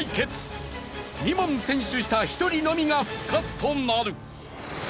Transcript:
２問先取した１人のみが復活となる